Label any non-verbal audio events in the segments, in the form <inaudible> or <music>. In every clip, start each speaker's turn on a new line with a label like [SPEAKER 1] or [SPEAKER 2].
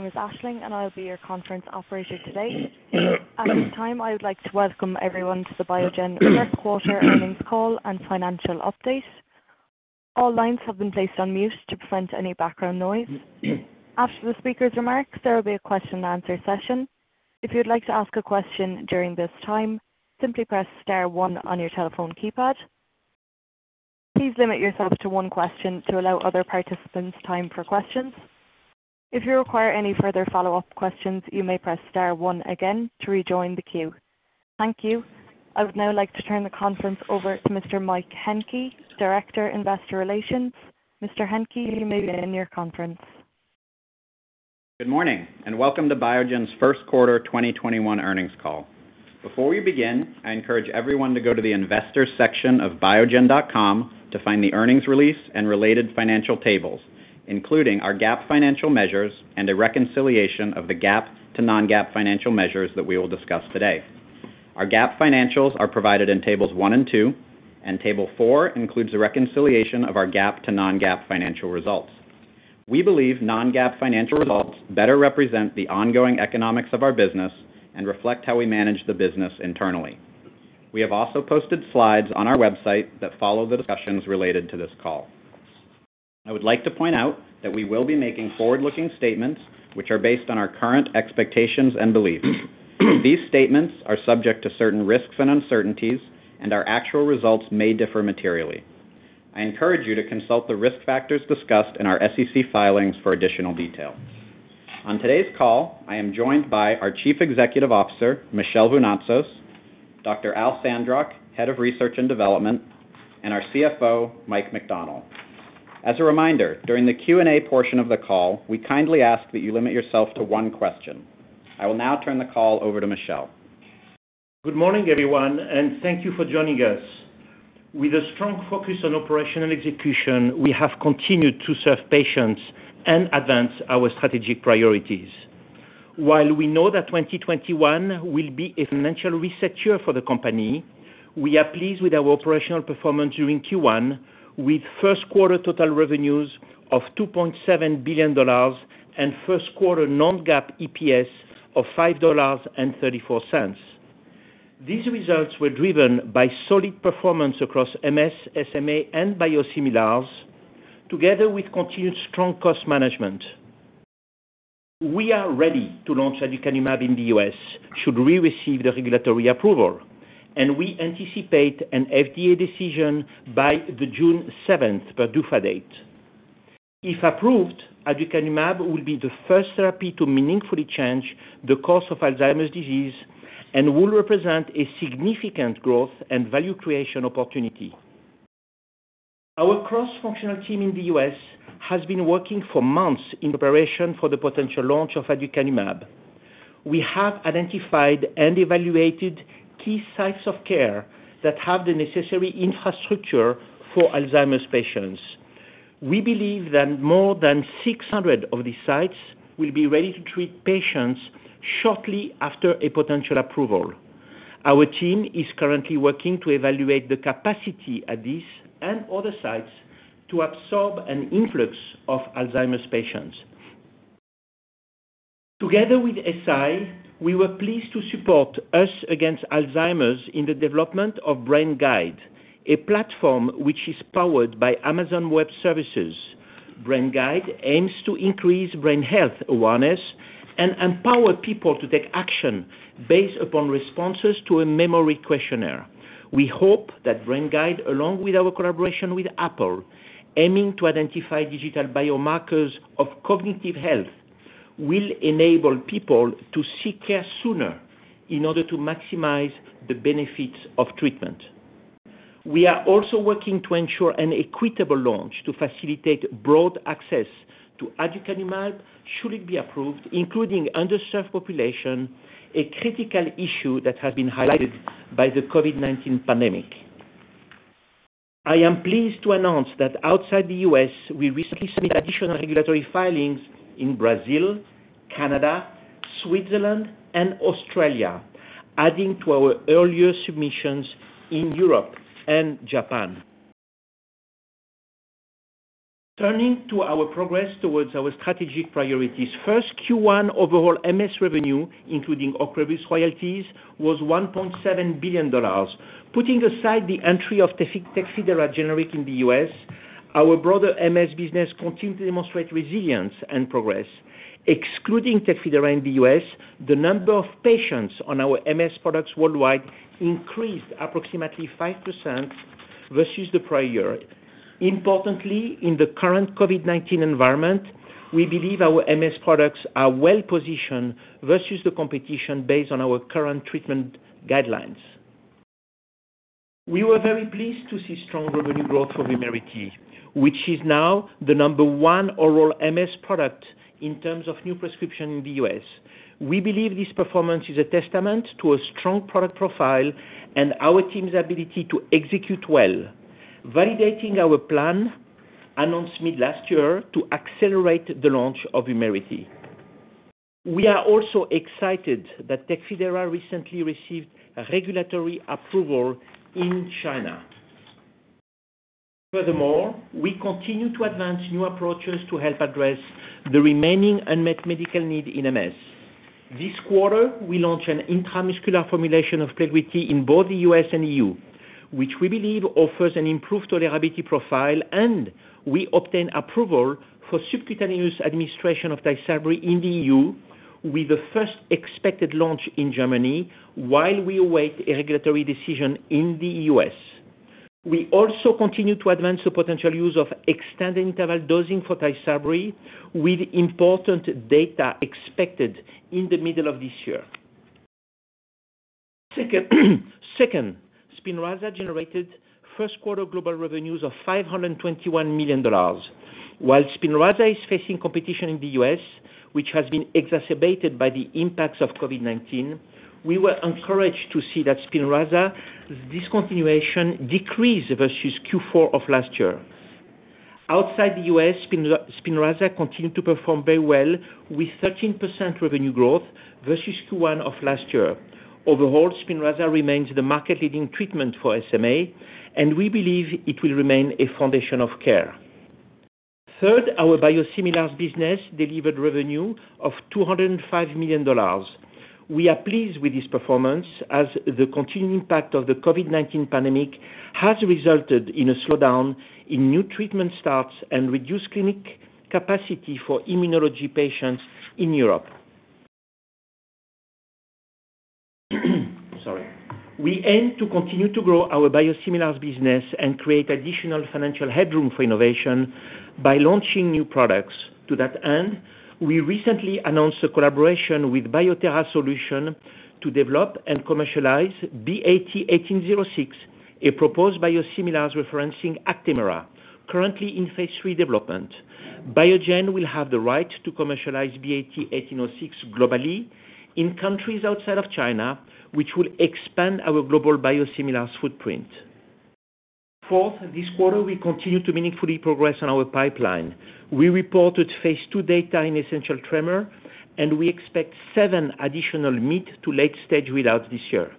[SPEAKER 1] My name is [Aisling], and I'll be your conference operator today. At this time, I would like to welcome everyone to the Biogen's first quarter earnings call and financial update. All lines have been placed on mute to prevent any background noise. After the speaker's remarks, there will be a question-and-answer session. If you'd like to ask a question during this time, simply press star one on your telephone keypad. Please limit yourself to one question to allow other participants time for questions. If you require any further follow-up questions, you may press star one again to rejoin the queue. Thank you. I would now like to turn the conference over to Mr. Mike Hencke, Director, Investor Relations. Mr. Hencke, you may begin your conference.
[SPEAKER 2] Good morning, and welcome to Biogen's first quarter 2021 earnings call. Before we begin, I encourage everyone to go to the Investors section of biogen.com to find the earnings release and related financial tables, including our GAAP financial measures and a reconciliation of the GAAP to non-GAAP financial measures that we will discuss today. Our GAAP financials are provided in tables one and two, and table four includes a reconciliation of our GAAP to non-GAAP financial results. We believe non-GAAP financial results better represent the ongoing economics of our business and reflect how we manage the business internally. We have also posted slides on our website that follow the discussions related to this call. I would like to point out that we will be making forward-looking statements, which are based on our current expectations and beliefs. These statements are subject to certain risks and uncertainties, and our actual results may differ materially. I encourage you to consult the risk factors discussed in our SEC filings for additional detail. On today's call, I am joined by our Chief Executive Officer, Michel Vounatsos, Dr. Al Sandrock, Head of Research and Development, and our CFO, Mike McDonnell. As a reminder, during the Q&A portion of the call, we kindly ask that you limit yourself to one question. I will now turn the call over to Michel.
[SPEAKER 3] Good morning, everyone, and thank you for joining us. With a strong focus on operational execution, we have continued to serve patients and advance our strategic priorities. While we know that 2021 will be a financial reset year for the company, we are pleased with our operational performance during Q1, with first quarter total revenues of $2.7 billion and first quarter non-GAAP EPS of $5.34. These results were driven by solid performance across MS, SMA, and biosimilars together with continued strong cost management. We are ready to launch aducanumab in the U.S. should we receive the regulatory approval, and we anticipate an FDA decision by the June 7th PDUFA date. If approved, aducanumab will be the first therapy to meaningfully change the course of Alzheimer's disease and will represent a significant growth and value creation opportunity. Our cross-functional team in the U.S. has been working for months in preparation for the potential launch of aducanumab. We have identified and evaluated key sites of care that have the necessary infrastructure for Alzheimer's patients. We believe that more than 600 of these sites will be ready to treat patients shortly after a potential approval. Our team is currently working to evaluate the capacity at these and other sites to absorb an influx of Alzheimer's patients. Together with Eisai, we were pleased to support UsAgainstAlzheimer's in the development of BrainGuide, a platform which is powered by Amazon Web Services. BrainGuide aims to increase brain health awareness and empower people to take action based upon responses to a memory questionnaire. We hope that BrainGuide, along with our collaboration with Apple, aiming to identify digital biomarkers of cognitive health, will enable people to seek care sooner in order to maximize the benefits of treatment. We are also working to ensure an equitable launch to facilitate broad access to aducanumab should it be approved, including underserved population, a critical issue that has been highlighted by the COVID-19 pandemic. I am pleased to announce that outside the U.S., we recently submitted additional regulatory filings in Brazil, Canada, Switzerland, and Australia, adding to our earlier submissions in Europe and Japan. Turning to our progress towards our strategic priorities. First, Q1 overall MS revenue, including OCREVUS royalties, was $1.7 billion. Putting aside the entry of TECFIDERA generic in the U.S., our broader MS business continued to demonstrate resilience and progress. Excluding TECFIDERA in the U.S., the number of patients on our MS products worldwide increased approximately 5% versus the prior year. Importantly, in the current COVID-19 environment, we believe our MS products are well-positioned versus the competition based on our current treatment guidelines. We were very pleased to see strong revenue growth for VUMERITY, which is now the number one oral MS product in terms of new prescription in the U.S. We believe this performance is a testament to a strong product profile and our team's ability to execute well, validating our plan announced mid-last year to accelerate the launch of VUMERITY. We are also excited that TECFIDERA recently received regulatory approval in China. Furthermore, we continue to advance new approaches to help address the remaining unmet medical need in MS. This quarter, we launched an intramuscular formulation of PLEGRIDY in both the U.S. and EU, which we believe offers an improved tolerability profile, and we obtained approval for subcutaneous administration of TYSABRI in the EU with the first expected launch in Germany, while we await a regulatory decision in the U.S. We also continue to advance the potential use of extended interval dosing for TYSABRI with important data expected in the middle of this year. Second, SPINRAZA generated first quarter global revenues of $521 million. While SPINRAZA is facing competition in the U.S., which has been exacerbated by the impacts of COVID-19, we were encouraged to see that SPINRAZA discontinuation decreased versus Q4 of last year. Outside the U.S., SPINRAZA continued to perform very well with 13% revenue growth versus Q1 of last year. Overall, SPINRAZA remains the market-leading treatment for SMA, and we believe it will remain a foundation of care. Third, our biosimilars business delivered revenue of $205 million. We are pleased with this performance as the continued impact of the COVID-19 pandemic has resulted in a slowdown in new treatment starts and reduced clinic capacity for immunology patients in Europe. We aim to continue to grow our biosimilars business and create additional financial headroom for innovation by launching new products. To that end, we recently announced a collaboration with Bio-Thera Solutions to develop and commercialize BAT1806, a proposed biosimilars referencing ACTEMRA, currently in phase III development. Biogen will have the right to commercialize BAT1806 globally in countries outside of China, which will expand our global biosimilars footprint. Fourth, this quarter, we continued to meaningfully progress on our pipeline. We reported phase II data in essential tremor, and we expect seven additional mid- to late-stage readouts this year.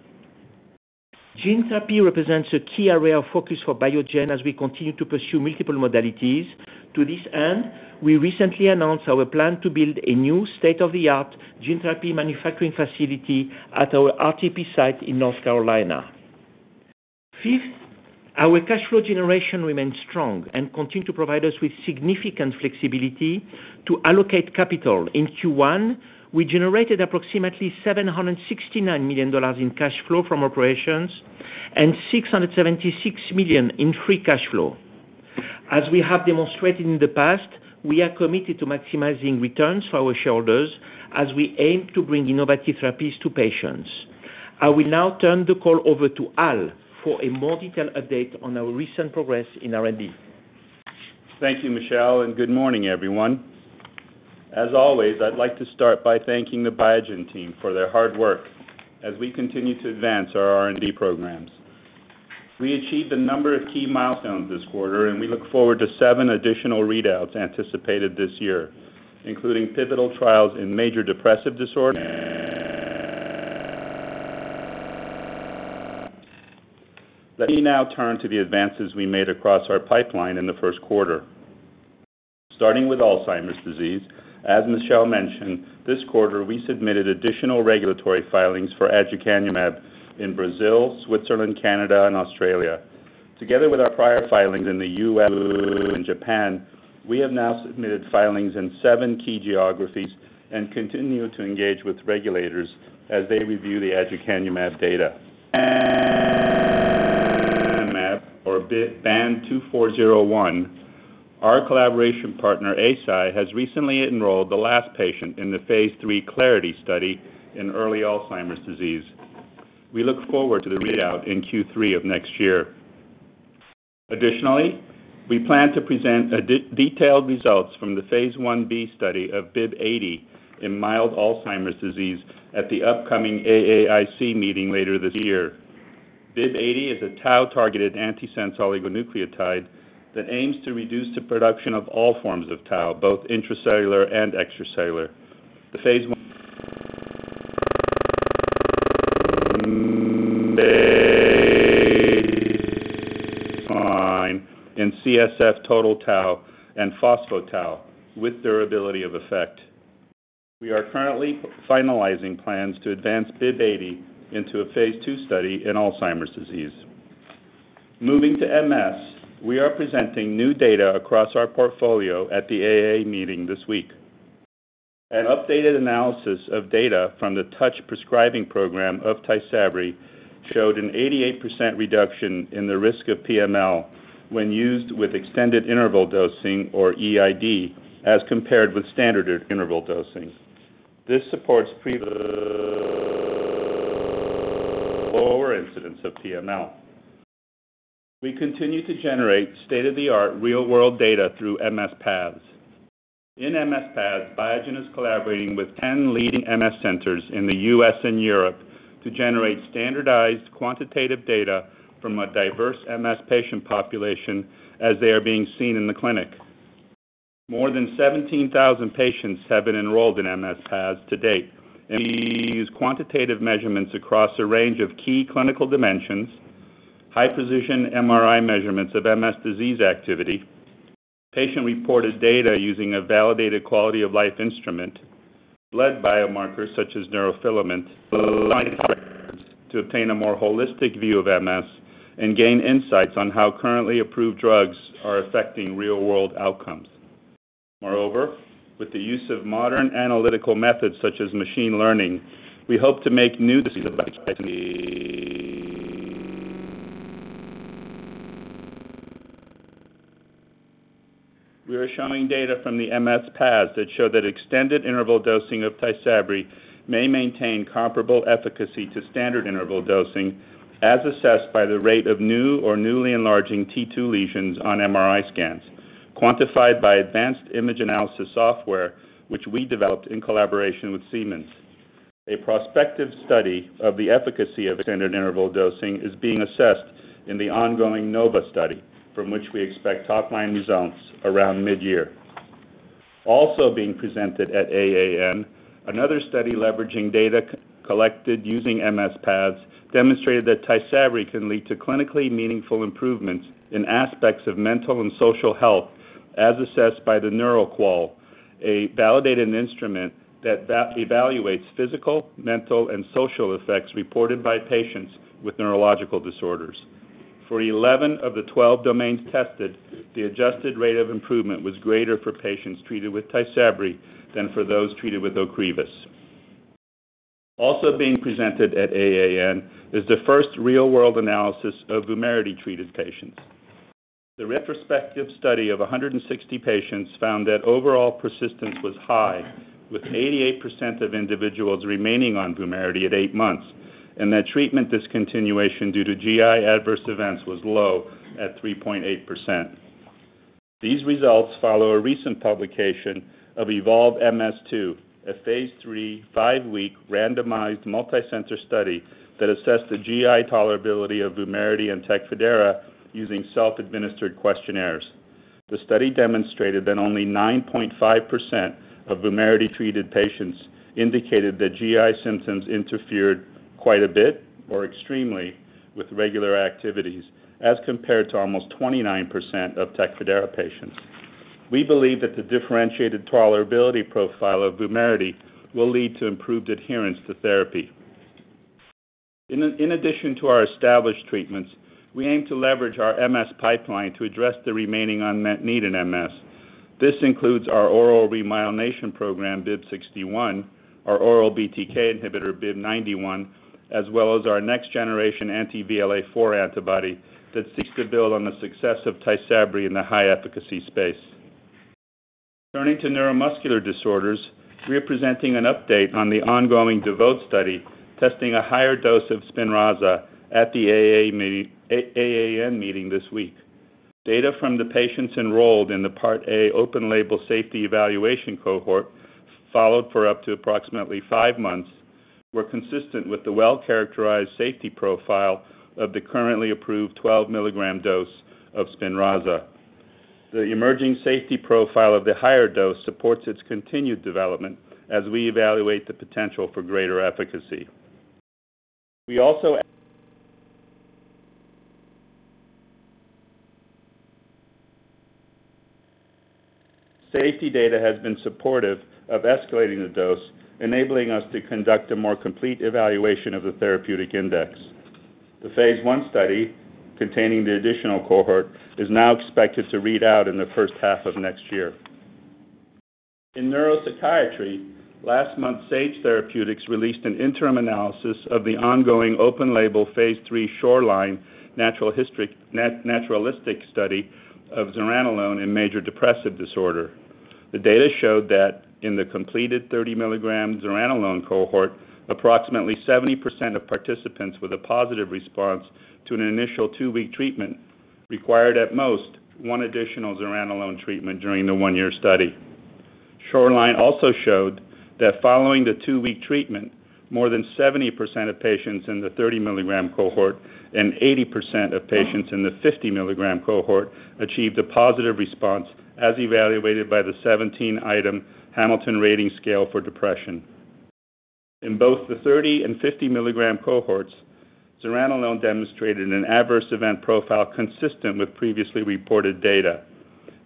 [SPEAKER 3] Gene therapy represents a key area of focus for Biogen as we continue to pursue multiple modalities. To this end, we recently announced our plan to build a new state-of-the-art gene therapy manufacturing facility at our RTP site in North Carolina. Fifth, our cash flow generation remains strong and continue to provide us with significant flexibility to allocate capital. In Q1, we generated approximately $769 million in cash flow from operations and $676 million in free cash flow. As we have demonstrated in the past, we are committed to maximizing returns for our shareholders as we aim to bring innovative therapies to patients. I will now turn the call over to Al for a more detailed update on our recent progress in R&D.
[SPEAKER 4] Thank you, Michel, and good morning, everyone. As always, I'd like to start by thanking the Biogen team for their hard work as we continue to advance our R&D programs. We achieved a number of key milestones this quarter, and we look forward to seven additional readouts anticipated this year, including pivotal trials in major depressive disorder. <audio distortion> Let me now turn to the advances we made across our pipeline in the first quarter. Starting with Alzheimer's disease, as Michel mentioned, this quarter we submitted additional regulatory filings for aducanumab in Brazil, Switzerland, Canada, and Australia. Together with our prior filings in the U.S. and Japan, we have now submitted filings in seven key geographies and continue to engage with regulators as they review the aducanumab data. <audio distortion> lecanemab or BAN2401, our collaboration partner, Eisai, has recently enrolled the last patient in the phase III CLARITY study in early Alzheimer's disease. We look forward to the readout in Q3 of next year. Additionally, we plan to present detailed results from the phase Ib study of BIIB080 in mild Alzheimer's disease at the upcoming AAIC meeting later this year. BIIB080 is a tau-targeted antisense oligonucleotide that aims to reduce the production of all forms of tau, both intracellular and extracellular. The phase <audio distortion> CSF total tau and phospho-tau with durability of effect. We are currently finalizing plans to advance BIIB080 into a phase II study in Alzheimer's disease. Moving to MS, we are presenting new data across our portfolio at the AAN meeting this week. An updated analysis of data from the TOUCH Prescribing Program of TYSABRI showed an 88% reduction in the risk of PML when used with extended interval dosing or EID, as compared with standard interval dosing. This supports <audio distortion> lower incidence of PML. We continue to generate state-of-the-art real-world data through MS PATHS. In MS PATHS, Biogen is collaborating with 10 leading MS centers in the U.S. and Europe to generate standardized quantitative data from a diverse MS patient population as they are being seen in the clinic. More than 17,000 patients have been enrolled in MS PATHS to date, and we use quantitative measurements across a range of key clinical dimensions, high-precision MRI measurements of MS disease activity, patient-reported data using a validated quality of life instrument, blood biomarkers such as neurofilaments <audio distortion> obtain a more holistic view of MS and gain insights on how currently approved drugs are affecting real-world outcomes. Moreover, with the use of modern analytical methods such as machine learning, we hope to make new discoveries about TYSABRI. We are showing data from the MS PATHS that show that extended interval dosing of TYSABRI may maintain comparable efficacy to standard interval dosing, as assessed by the rate of new or newly enlarging T2 lesions on MRI scans, quantified by advanced image analysis software, which we developed in collaboration with Siemens. A prospective study of the efficacy of extended interval dosing is being assessed in the ongoing NOVA study, from which we expect top-line results around mid-year. Also being presented at AAN, another study leveraging data collected using MS PATHS demonstrated that TYSABRI can lead to clinically meaningful improvements in aspects of mental and social health, as assessed by the Neuro-QoL, a validated instrument that evaluates physical, mental, and social effects reported by patients with neurological disorders. For 11 of the 12 domains tested, the adjusted rate of improvement was greater for patients treated with TYSABRI than for those treated with OCREVUS. Also being presented at AAN is the first real-world analysis of VUMERITY-treated patients. The retrospective study of 160 patients found that overall persistence was high, with 88% of individuals remaining on VUMERITY at eight months, and that treatment discontinuation due to GI adverse events was low at 3.8%. These results follow a recent publication of EVOLVE-MS-2, a phase III, five-week randomized multicenter study that assessed the GI tolerability of VUMERITY and TECFIDERA using self-administered questionnaires. The study demonstrated that only 9.5% of VUMERITY-treated patients indicated that GI symptoms interfered quite a bit or extremely with regular activities, as compared to almost 29% of TECFIDERA patients. We believe that the differentiated tolerability profile of VUMERITY will lead to improved adherence to therapy. In addition to our established treatments, we aim to leverage our MS pipeline to address the remaining unmet need in MS. This includes our oral remyelination program, BIIB061, our oral BTK inhibitor, BIIB091, as well as our next-generation anti-VLA-4 antibody that seeks to build on the success of TYSABRI in the high-efficacy space. Turning to neuromuscular disorders, we are presenting an update on the ongoing DEVOTE study testing a higher dose of SPINRAZA at the AAN meeting this week. Data from the patients enrolled in the Part A open-label safety evaluation cohort followed for up to approximately five months were consistent with the well-characterized safety profile of the currently approved 12-mg dose of SPINRAZA. The emerging safety profile of the higher dose supports its continued development as we evaluate the potential for greater efficacy. We also. <audio distortion> Safety data has been supportive of escalating the dose, enabling us to conduct a more complete evaluation of the therapeutic index. The phase I study containing the additional cohort is now expected to read out in the first half of next year. In neuropsychiatry, last month, Sage Therapeutics released an interim analysis of the ongoing open-label phase III SHORELINE naturalistic study of zuranolone in major depressive disorder. The data showed that in the completed 30-mg zuranolone cohort, approximately 70% of participants with a positive response to an initial two-week treatment required at most one additional zuranolone treatment during the one-year study. SHORELINE also showed that following the two-week treatment, more than 70% of patients in the 30-mg cohort and 80% of patients in the 50-mg cohort achieved a positive response as evaluated by the 17-item Hamilton Rating Scale for Depression. In both the 30-mg and 50-milligram cohorts, zuranolone demonstrated an adverse event profile consistent with previously reported data.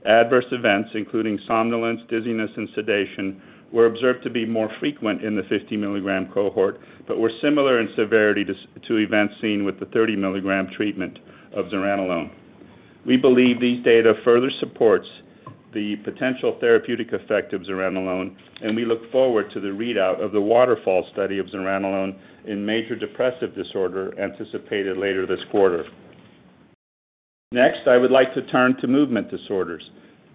[SPEAKER 4] Adverse events, including somnolence, dizziness, and sedation, were observed to be more frequent in the 50-mg cohort, but were similar in severity to events seen with the 30-mg treatment of zuranolone. We believe these data further supports the potential therapeutic effect of zuranolone, and we look forward to the readout of the WATERFALL study of zuranolone in major depressive disorder anticipated later this quarter. Next, I would like to turn to movement disorders.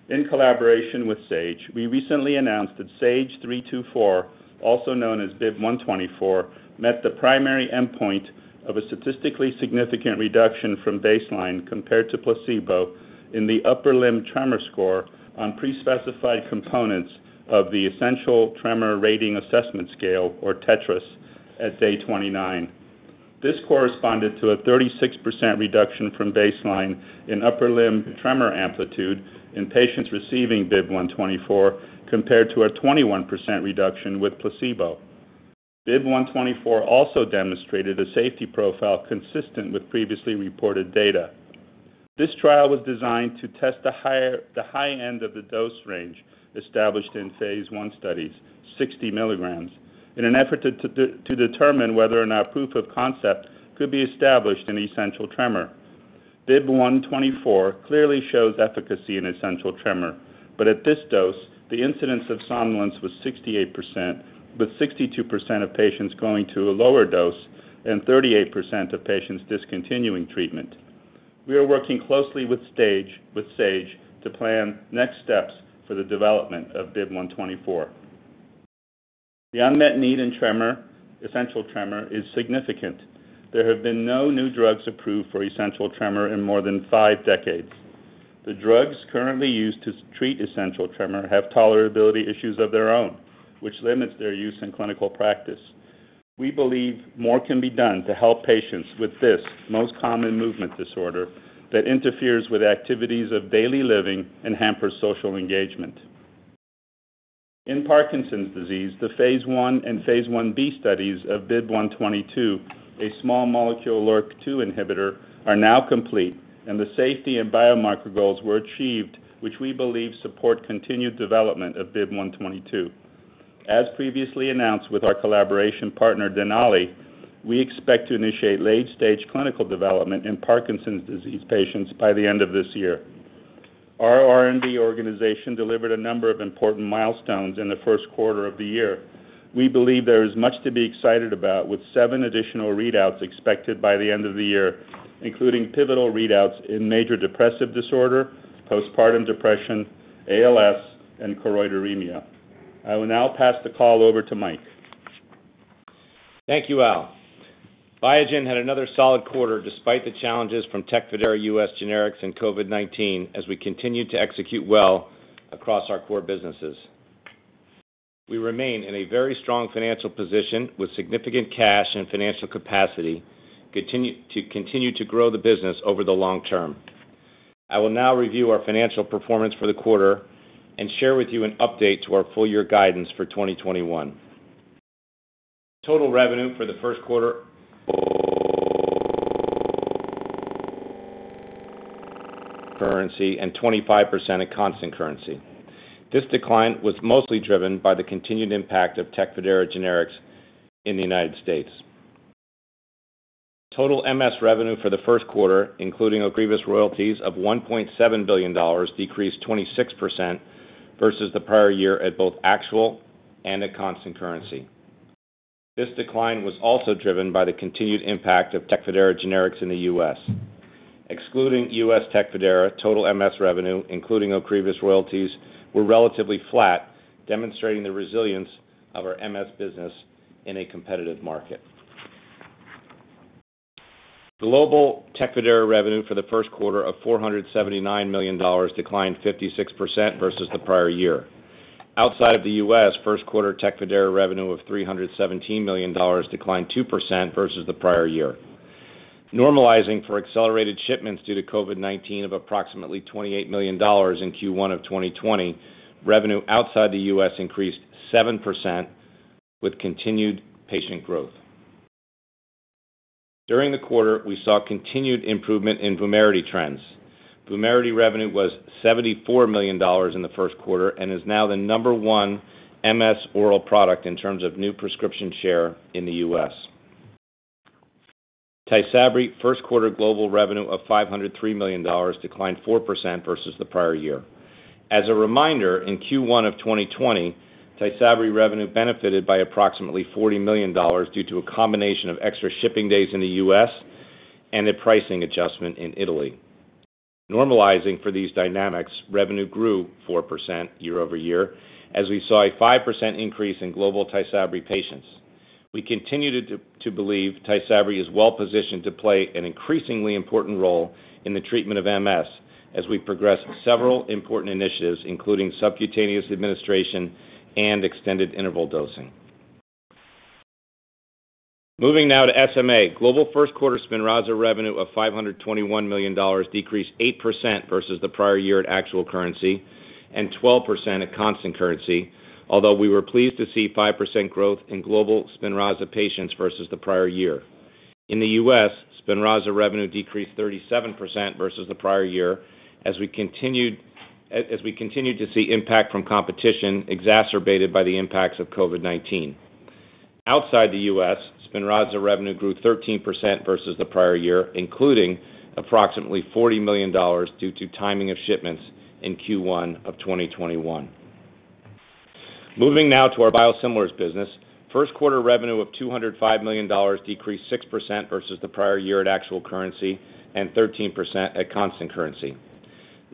[SPEAKER 4] In collaboration with Sage, we recently announced that SAGE-324, also known as BIIB124, met the primary endpoint of a statistically significant reduction from baseline compared to placebo in the upper limb tremor score on pre-specified components of the Essential Tremor Rating Assessment Scale, or TETRAS, at day 29. This corresponded to a 36% reduction from baseline in upper limb tremor amplitude in patients receiving BIIB124 compared to a 21% reduction with placebo. BIIB124 also demonstrated a safety profile consistent with previously reported data. This trial was designed to test the high end of the dose range established in phase I studies, 60 mg, in an effort to determine whether or not proof of concept could be established in essential tremor. BIIB124 clearly shows efficacy in essential tremor, but at this dose, the incidence of somnolence was 68%, with 62% of patients going to a lower dose and 38% of patients discontinuing treatment. We are working closely with Sage to plan next steps for the development of BIIB124. The unmet need in essential tremor is significant. There have been no new drugs approved for essential tremor in more than five decades. The drugs currently used to treat essential tremor have tolerability issues of their own, which limits their use in clinical practice. We believe more can be done to help patients with this most common movement disorder that interferes with activities of daily living and hampers social engagement. In Parkinson's disease, the phase I and phase Ib studies of BIIB122, a small molecule LRRK2 inhibitor, are now complete, and the safety and biomarker goals were achieved, which we believe support continued development of BIIB122. As previously announced with our collaboration partner, Denali, we expect to initiate late-stage clinical development in Parkinson's disease patients by the end of this year. Our R&D organization delivered a number of important milestones in the first quarter of the year. We believe there is much to be excited about with seven additional readouts expected by the end of the year, including pivotal readouts in major depressive disorder, postpartum depression, ALS, and choroideremia. I will now pass the call over to Mike.
[SPEAKER 5] Thank you, Al. Biogen had another solid quarter despite the challenges from TECFIDERA U.S. generics and COVID-19, as we continued to execute well across our core businesses. We remain in a very strong financial position with significant cash and financial capacity to continue to grow the business over the long term. I will now review our financial performance for the quarter and share with you an update to our full-year guidance for 2021. Total revenue for the first quarter <audio distortion> currency and 25% at constant currency. This decline was mostly driven by the continued impact of TECFIDERA generics in the United States. Total MS revenue for the first quarter, including OCREVUS royalties of $1.7 billion, decreased 26% versus the prior year at both actual and at constant currency. This decline was also driven by the continued impact of TECFIDERA generics in the U.S. Excluding U.S. TECFIDERA, total MS revenue, including OCREVUS royalties, were relatively flat, demonstrating the resilience of our MS business in a competitive market. Global TECFIDERA revenue for the first quarter of $479 million declined 56% versus the prior year. Outside of the U.S., first quarter TECFIDERA revenue of $317 million declined 2% versus the prior year. Normalizing for accelerated shipments due to COVID-19 of approximately $28 million in Q1 of 2020, revenue outside the U.S. increased 7% with continued patient growth. During the quarter, we saw continued improvement in VUMERITY trends. VUMERITY revenue was $74 million in the first quarter and is now the number one MS oral product in terms of new prescription share in the U.S. TYSABRI first-quarter global revenue of $503 million declined 4% versus the prior year. As a reminder, in Q1 of 2020, TYSABRI revenue benefited by approximately $40 million due to a combination of extra shipping days in the U.S. and a pricing adjustment in Italy. Normalizing for these dynamics, revenue grew 4% year-over-year as we saw a 5% increase in global TYSABRI patients. We continue to believe TYSABRI is well-positioned to play an increasingly important role in the treatment of MS as we progress several important initiatives, including subcutaneous administration and extended interval dosing. Moving now to SMA. Global first quarter SPINRAZA revenue of $521 million decreased 8% versus the prior year at actual currency and 12% at constant currency although we were pleased to see 5% growth in global SPINRAZA patients versus the prior year. In the U.S., SPINRAZA revenue decreased 37% versus the prior year as we continued to see impact from competition exacerbated by the impacts of COVID-19. Outside the U.S., SPINRAZA revenue grew 13% versus the prior year, including approximately $40 million due to timing of shipments in Q1 of 2021. Moving now to our biosimilars business. First-quarter revenue of $205 million decreased 6% versus the prior year at actual currency and 13% at constant currency.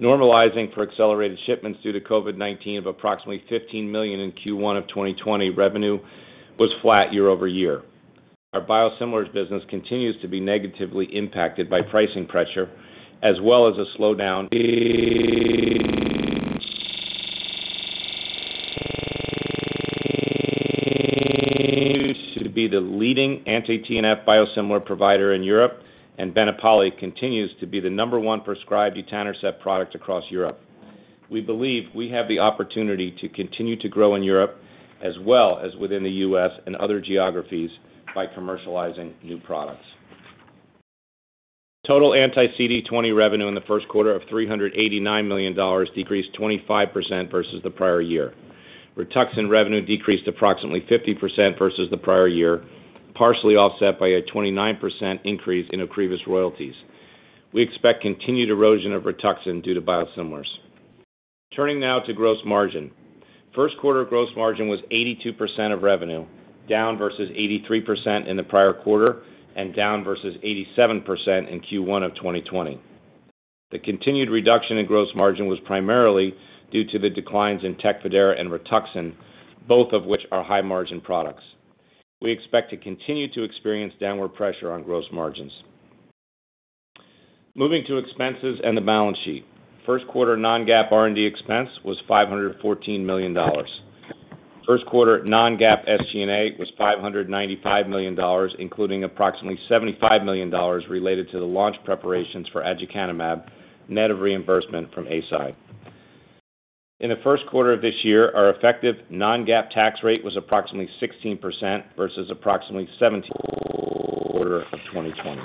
[SPEAKER 5] Normalizing for accelerated shipments due to COVID-19 of approximately $15 million in Q1 of 2020, revenue was flat year-over-year. Our biosimilars business continues to be negatively impacted by pricing pressure as well as a slowdown <audio distortion> continues to be the leading anti-TNF biosimilar provider in Europe, and BENEPALI continues to be the number one prescribed etanercept product across Europe. We believe we have the opportunity to continue to grow in Europe as well as within the U.S. and other geographies by commercializing new products. Total anti-CD20 revenue in the first quarter of $389 million decreased 25% versus the prior year. RITUXAN revenue decreased approximately 50% versus the prior year, partially offset by a 29% increase in OCREVUS royalties. We expect continued erosion of RITUXAN due to biosimilars. Turning now to gross margin. First quarter gross margin was 82% of revenue, down versus 83% in the prior quarter and down versus 87% in Q1 of 2020. The continued reduction in gross margin was primarily due to the declines in TECFIDERA and RITUXAN, both of which are high-margin products. We expect to continue to experience downward pressure on gross margins. Moving to expenses and the balance sheet. First quarter non-GAAP R&D expense was $514 million. First quarter non-GAAP SG&A was $595 million, including approximately $75 million related to the launch preparations for aducanumab, net of reimbursement from Eisai. In the first quarter of this year, our effective non-GAAP tax rate was approximately 16% versus approximately 17% in the first quarter of 2020.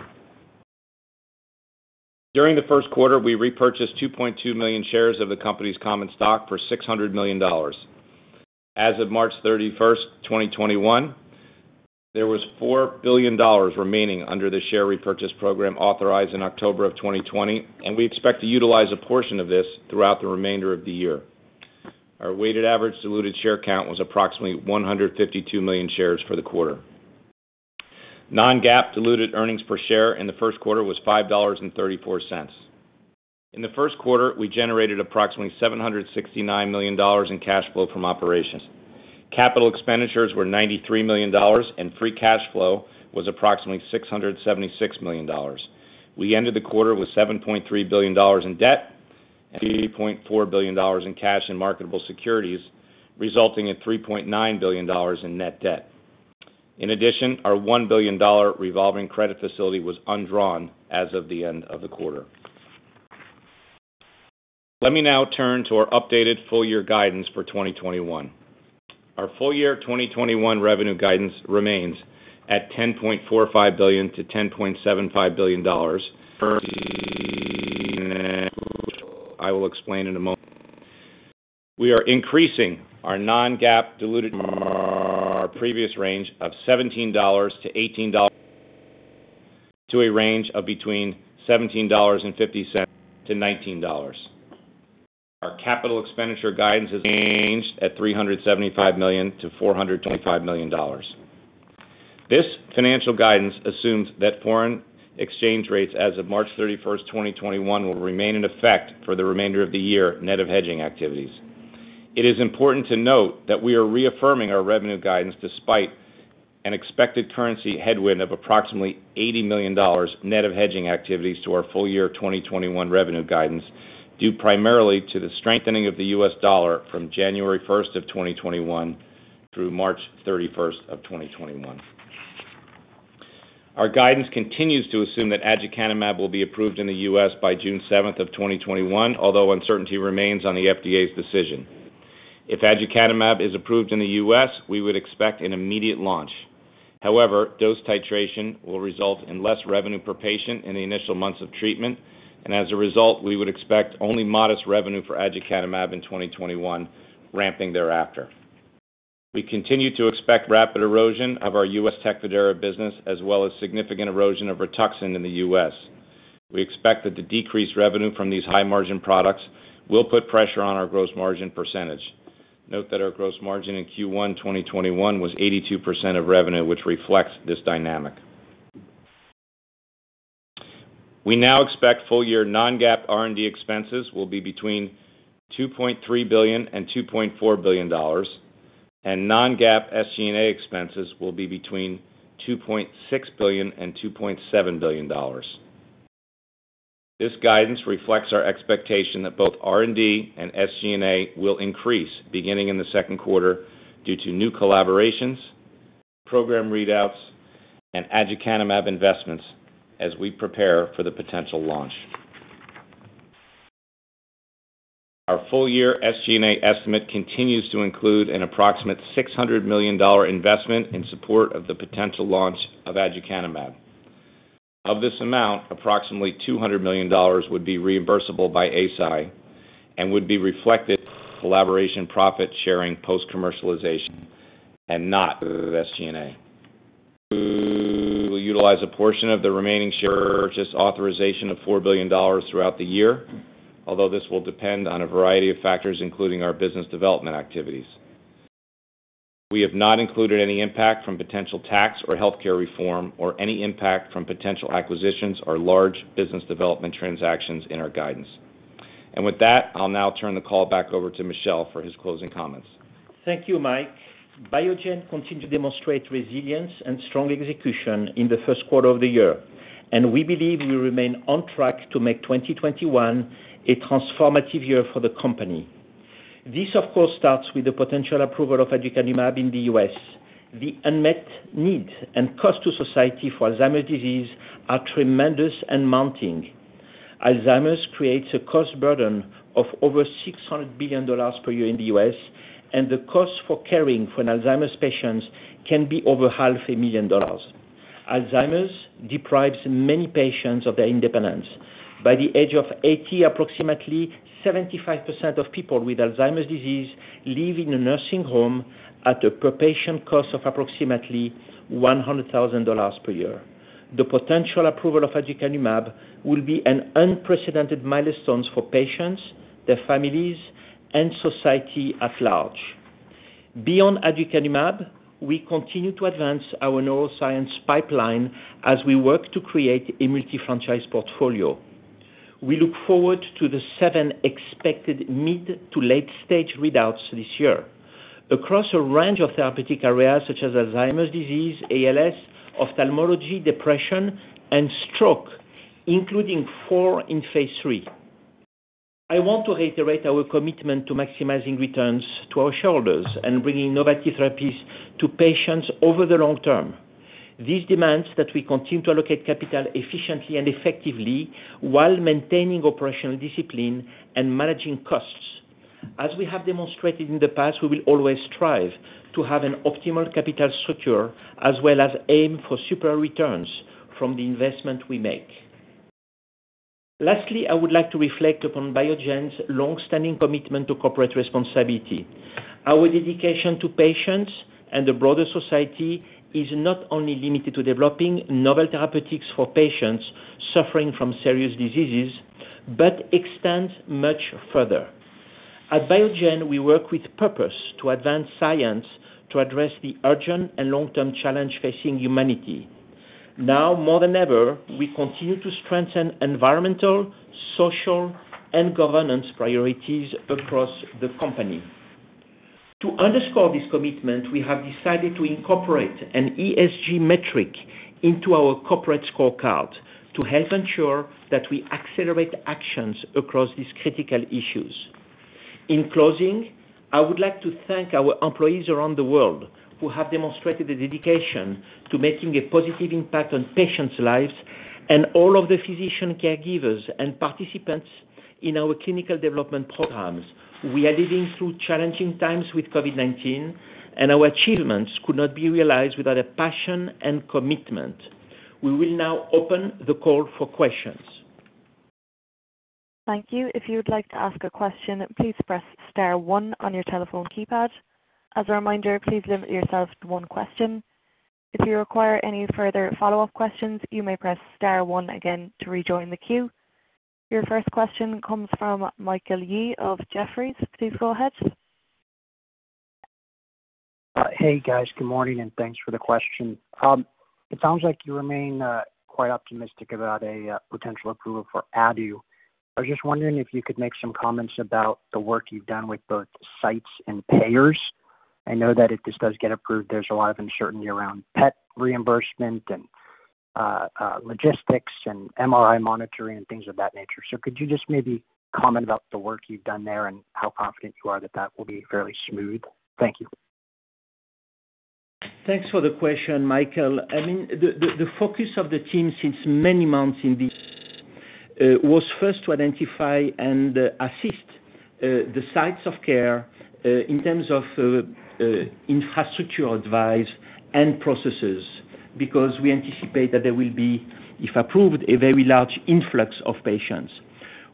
[SPEAKER 5] During the first quarter, we repurchased 2.2 million shares of the company's common stock for $600 million. As of March 31st, 2021, there was $4 billion remaining under the share repurchase program authorized in October of 2020, and we expect to utilize a portion of this throughout the remainder of the year. Our weighted average diluted share count was approximately 152 million shares for the quarter. Non-GAAP diluted earnings per share in the first quarter was $5.34. In the first quarter, we generated approximately $769 million in cash flow from operations. Capital expenditures were $93 million, and free cash flow was approximately $676 million. We ended the quarter with $7.3 billion in debt and $3.4 billion in cash and marketable securities, resulting in $3.9 billion in net debt. In addition, our $1 billion revolving credit facility was undrawn as of the end of the quarter. Let me now turn to our updated full-year guidance for 2021. Our full-year 2021 revenue guidance remains at $10.45 billion-$10.75 billion, <audio distortion> I will explain in a moment. We are increasing our non-GAAP diluted <audio distortion> in our previous range of $17-$18 to a range of between $17.50-$19. Our capital expenditure guidance is <audio distortion> at $375 million to $425 million. This financial guidance assumes that foreign exchange rates as of March 31st, 2021, will remain in effect for the remainder of the year, net of hedging activities. It is important to note that we are reaffirming our revenue guidance despite an expected currency headwind of approximately $80 million, net of hedging activities to our full year 2021 revenue guidance, due primarily to the strengthening of the U.S. dollar from January 1st of 2021 through March 31st of 2021. Our guidance continues to assume that aducanumab will be approved in the U.S. by June 7th of 2021, although uncertainty remains on the FDA's decision. If aducanumab is approved in the U.S., we would expect an immediate launch. However, dose titration will result in less revenue per patient in the initial months of treatment, and as a result, we would expect only modest revenue for aducanumab in 2021, ramping thereafter. We continue to expect rapid erosion of our U.S. TECFIDERA business as well as significant erosion of RITUXAN in the U.S. We expect that the decreased revenue from these high-margin products will put pressure on our gross margin percentage. Note that our gross margin in Q1 2021 was 82% of revenue, which reflects this dynamic. We now expect full-year non-GAAP R&D expenses will be between $2.3 billion and $2.4 billion, and non-GAAP SG&A expenses will be between $2.6 billion and $2.7 billion. This guidance reflects our expectation that both R&D and SG&A will increase beginning in the second quarter due to new collaborations, program readouts, and aducanumab investments as we prepare for the potential launch. Our full-year SG&A estimate continues to include an approximate $600 million investment in support of the potential launch of aducanumab. Of this amount, approximately $200 million would be reimbursable by Eisai and would be reflected as collaboration profit sharing post-commercialization and not of SG&A. We will utilize a portion of the remaining share purchase authorization of $4 billion throughout the year, although this will depend on a variety of factors, including our business development activities. We have not included any impact from potential tax or healthcare reform or any impact from potential acquisitions or large business development transactions in our guidance. With that, I'll now turn the call back over to Michel for his closing comments.
[SPEAKER 3] Thank you, Mike. Biogen continued to demonstrate resilience and strong execution in the first quarter of the year. We believe we remain on track to make 2021 a transformative year for the company. This, of course, starts with the potential approval of aducanumab in the U.S. The unmet need and cost to society for Alzheimer's disease are tremendous and mounting. Alzheimer's creates a cost burden of over $600 billion per year in the U.S., and the cost for caring for an Alzheimer's patient can be over half a million dollars. Alzheimer's deprives many patients of their independence. By the age of 80, approximately 75% of people with Alzheimer's disease live in a nursing home at a per-patient cost of approximately $100,000 per year. The potential approval of aducanumab will be an unprecedented milestone for patients, their families, and society at large. Beyond aducanumab, we continue to advance our neuroscience pipeline as we work to create a multi-franchise portfolio. We look forward to the seven expected mid- to late-stage readouts this year. Across a range of therapeutic areas such as Alzheimer's disease, ALS, ophthalmology, depression, and stroke, including four in phase III. I want to reiterate our commitment to maximizing returns to our shareholders and bringing innovative therapies to patients over the long term. This demands that we continue to allocate capital efficiently and effectively while maintaining operational discipline and managing costs. As we have demonstrated in the past, we will always strive to have an optimal capital structure as well as aim for superior returns from the investment we make. Lastly, I would like to reflect upon Biogen's longstanding commitment to corporate responsibility. Our dedication to patients and the broader society is not only limited to developing novel therapeutics for patients suffering from serious diseases but extends much further. At Biogen, we work with purpose to advance science to address the urgent and long-term challenge facing humanity. Now more than ever, we continue to strengthen environmental, social, and governance priorities across the company. To underscore this commitment, we have decided to incorporate an ESG metric into our corporate scorecard to help ensure that we accelerate actions across these critical issues. In closing, I would like to thank our employees around the world who have demonstrated a dedication to making a positive impact on patients' lives and all of the physician caregivers and participants in our clinical development programs. We are living through challenging times with COVID-19. Our achievements could not be realized without a passion and commitment. We will now open the call for questions.
[SPEAKER 1] Thank you. If you would like to ask a question, please press star one on your telephone keypad. As a reminder, please limit yourself to one question. If you require any further follow-up questions, you may press star one again to rejoin the queue. Your first question comes from Michael Yee of Jefferies. Please go ahead.
[SPEAKER 6] Hey, guys. Good morning, and thanks for the question. It sounds like you remain quite optimistic about a potential approval for adu. I was just wondering if you could make some comments about the work you've done with both sites and payers. I know that if this does get approved, there's a lot of uncertainty around PET reimbursement and logistics and MRI monitoring, and things of that nature. Could you just maybe comment about the work you've done there and how confident you are that that will be fairly smooth? Thank you.
[SPEAKER 3] Thanks for the question, Michael. I mean, the focus of the team since many months in the <audio distortion> was first to identify and assist the sites of care in terms of infrastructure advice and processes, because we anticipate that there will be, if approved, a very large influx of patients.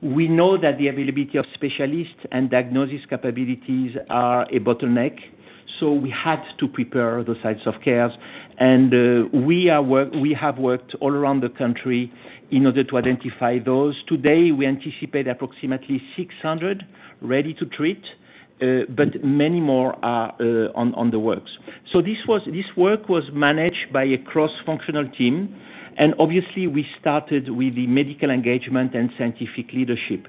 [SPEAKER 3] We know that the availability of specialists and diagnosis capabilities are a bottleneck, so we had to prepare the sites of care, and we have worked all around the country in order to identify those. Today, we anticipate approximately 600 ready to treat, but many more are on the works. This work was managed by a cross-functional team, and obviously, we started with the medical engagement and scientific leadership.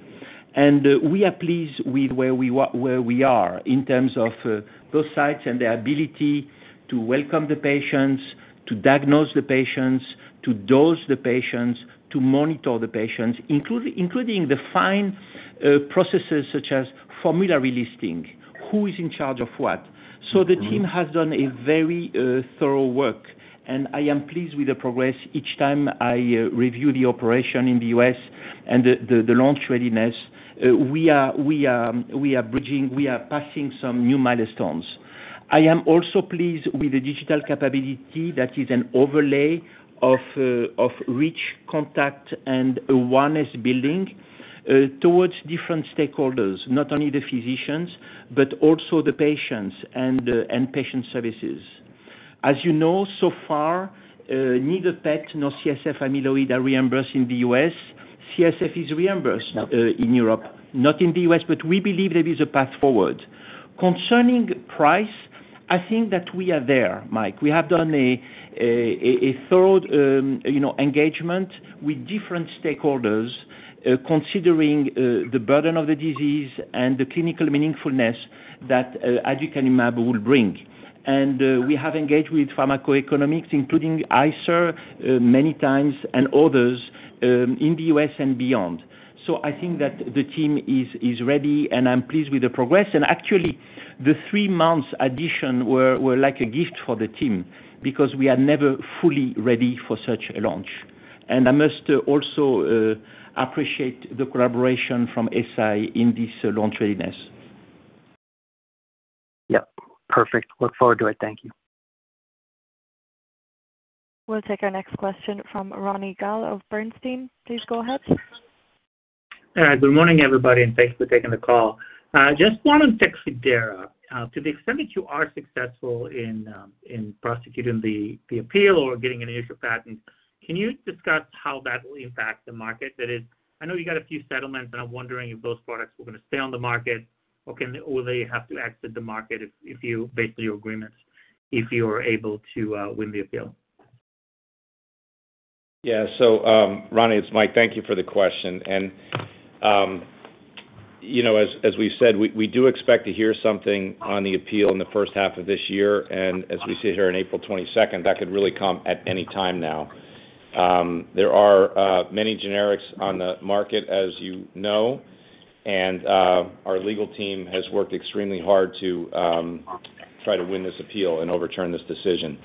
[SPEAKER 3] We are pleased with where we are in terms of those sites and their ability to welcome the patients, to diagnose the patients, to dose the patients, to monitor the patients, including the fine processes such as formulary listing, who is in charge of what. The team has done a very thorough work, and I am pleased with the progress. Each time I review the operation in the U.S. and the launch readiness, we are bridging, we are passing some new milestones. I am also pleased with the digital capability that is an overlay of rich contact and awareness building towards different stakeholders. Not only the physicians, but also the patients and patient services. As you know, so far, neither PET nor CSF amyloid are reimbursed in the U.S. CSF is reimbursed in Europe, not in the U.S., but we believe there is a path forward. Concerning price, I think that we are there, Mike, we have done a thorough engagement with different stakeholders, considering the burden of the disease and the clinical meaningfulness that aducanumab will bring. We have engaged with pharmacoeconomics, including ICER many times, and others in the U.S. and beyond. I think that the team is ready, and I'm pleased with the progress. Actually, the three months addition were like a gift for the team, because we are never fully ready for such a launch. I must also appreciate the collaboration from Eisai in this launch readiness.
[SPEAKER 6] Yeah, perfect. Look forward to it. Thank you.
[SPEAKER 1] We'll take our next question from Ronny Gal of Bernstein. Please go ahead.
[SPEAKER 7] Hi, good morning, everybody, thanks for taking the call. Just one on TECFIDERA. To the extent that you are successful in prosecuting the appeal or getting an issue of patent, can you discuss how that will impact the market? That is, I know you got a few settlements, and I'm wondering if those products were going to stay on the market, or will they have to exit the market based on your agreements if you are able to win the appeal?
[SPEAKER 5] Yeah. Ronny, it's Mike. Thank you for the question. As we've said, we do expect to hear something on the appeal in the first half of this year. As we sit here on April 22nd, that could really come at any time now. There are many generics on the market, as you know, and our legal team has worked extremely hard to try to win this appeal and overturn this decision.